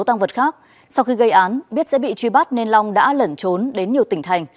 tăng vật khác sau khi gây án biết sẽ bị truy bắt nên long đã lẩn trốn đến nhiều tỉnh thành